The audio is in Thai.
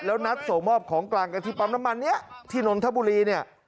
แล้วนัดส่งมอบของกลางกะทิปั๊มน้ำมันที่นทบุรี